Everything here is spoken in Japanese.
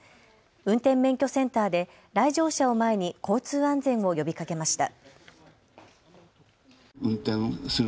運転免許センターで来場者を前に交通安全を呼びかけました。